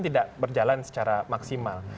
tidak berjalan secara maksimal